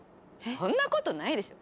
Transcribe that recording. そんな事ないでしょ！